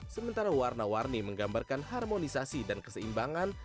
sementara warna warni menggambarkan harmonisasi dan keseimbangan